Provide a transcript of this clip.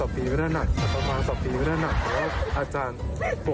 เพราะว่าโปรติทางอาจารย์เขา